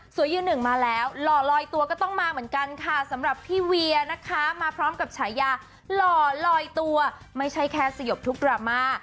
ยืนหนึ่งมาแล้วหล่อลอยตัวก็ต้องมาเหมือนกันค่ะสำหรับพี่เวียนะคะมาพร้อมกับฉายาหล่อลอยตัวไม่ใช่แค่สยบทุกดราม่า